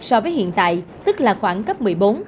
so với hiện tại tức là khoảng cấp một mươi bốn